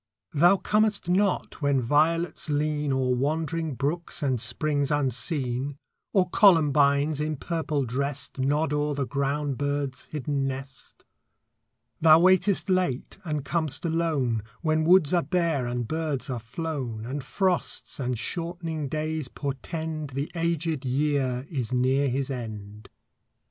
Thou comest not when violets lean O'er wandering brooks and springs unseen, Or columbines, in purple dressed, Nod o'er the ground bird's hidden nest. Thou waitest late and com'st alone, When woods are bare and birds are flown, And frosts and shortening days portend The aged year is near his end.